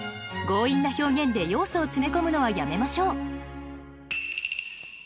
強引な表現で要素を詰め込むのはやめましょう。